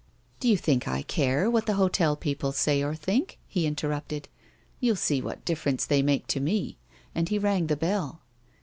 " Do you think I care what the hotel people say or think 1 " he interrupted. " You'll see what difference they make to me." And he rang the bell.